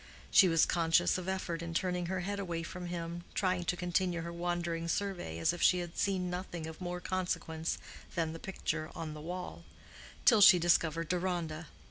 She was conscious of effort in turning her head away from him, trying to continue her wandering survey as if she had seen nothing of more consequence than the picture on the wall, till she discovered Deronda.